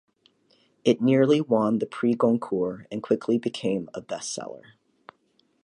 It nearly won the Prix Goncourt and quickly became a bestseller.